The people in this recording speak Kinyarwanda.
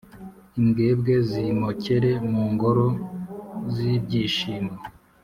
imbwebwe zimokere mu ngoro z’ibyishimo.